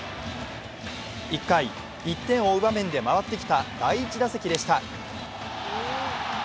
１回、１点を追う場面で回ってきた第１打席でした。